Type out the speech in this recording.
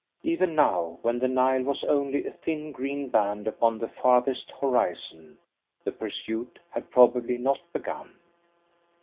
Even now, when the Nile was only a thin green band upon the farthest horizon, the pursuit had probably not begun.